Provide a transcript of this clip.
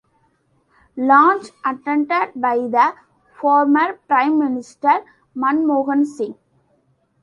Launch attended by the former Prime Minister, Manmohan Singh.